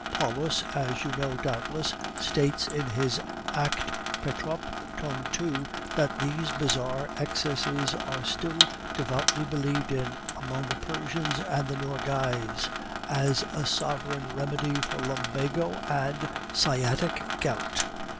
Pallas, as you know doubtless, states in his Act. Petrop. tome II., that these bizarre excesses are still devoutly believed in among the Persians and the Nogais as a sovereign remedy for lumbago and sciatic gout.